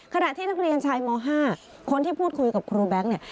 ขณะที่นักเรียนชายม๕คนที่พูดคุยกับครูแบงค์เนี่ย